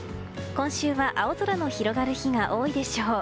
今週は青空の広がる日が多いでしょう。